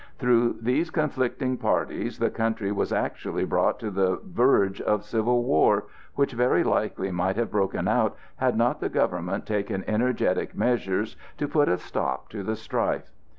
Through these conflicting parties the country was actually brought to the verge of civil war, which very likely would have broken out had not the government taken energetic measures to put a stop to the strife.